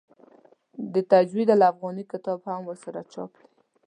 د تجوید الافغاني کتاب هم ورسره چاپ دی.